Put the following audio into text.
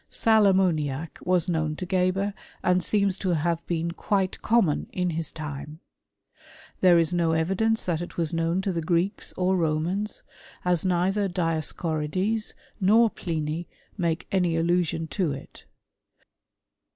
Sal ammoniac was known to Geber, and seentf to have been quite common in his time. There is nHii : evidence that it was known to the Greeks or Romans, as neither Dioscorides nor Pliny make any idlusiott'' to it.